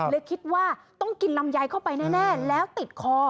เลยคิดว่าต้องกินลำไยเข้าไปแน่แล้วติดคอ